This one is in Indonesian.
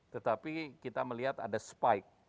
tetapi kita melihat ada spike